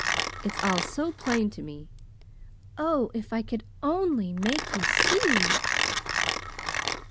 It's all so plain to me. Oh, if I could only make you see!"